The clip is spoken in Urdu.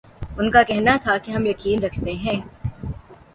ان کا کہنا تھا کہ ہم یقین رکھتے ہیں